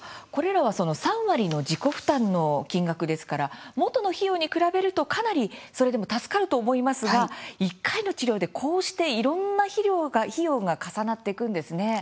これらは３割の自己負担の金額ですから元の費用に比べると、かなりそれでも助かると思いますが１回の治療でこうしていろんな費用が重なっていくんですね。